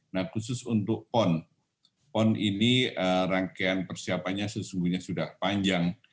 nah khusus untuk pon pon ini rangkaian persiapannya sesungguhnya sudah panjang